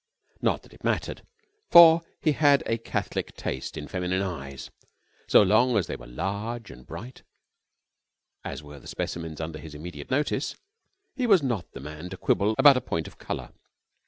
Not that it mattered, for he had a catholic taste in feminine eyes. So long as they were large and bright, as were the specimens under his immediate notice, he was not the man to quibble about a point of colour.